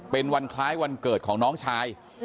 เป็นวันคล้ายวันเกิดของน้องชาย